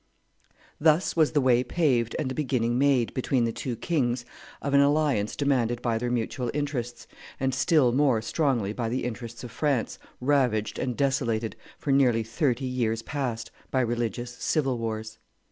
'" Thus was the way paved and the beginning made, between the two kings, of an alliance demanded by their mutual interests, and still more strongly by the interests of France, ravaged and desolated, for nearly thirty years past, by religious civil wars.